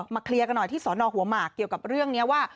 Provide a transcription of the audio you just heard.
เคลียร์กันหน่อยที่สอนอหัวหมากเกี่ยวกับเรื่องนี้ว่า